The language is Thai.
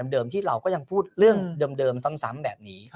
เดิมที่เราก็ยังพูดเรื่องเดิมซ้ำแบบนี้